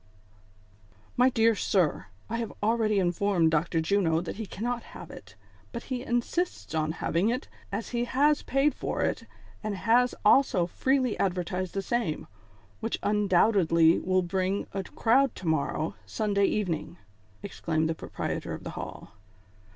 "My dear sir, I have already informed Dr. Juno that he cannot have it, but he insists on having it, as he has paid for it, and has also freely advertised the same, which un doubtedly will bring a crowd to morrow, Sunday evening," exclaimed the proprietor of tlie hall.